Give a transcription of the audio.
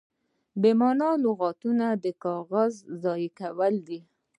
بې مانا لغتونه د کاغذ ضایع کول دي.